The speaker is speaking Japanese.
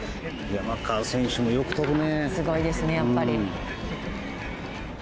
山川選手もよく飛ぶね。